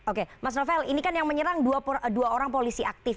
oke mas novel ini kan yang menyerang dua orang polisi aktif